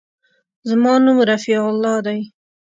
زما نوم رفيع الله دى.